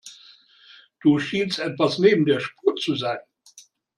Du schienst etwas neben der Spur zu sein.